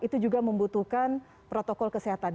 itu juga membutuhkan protokol kesehatan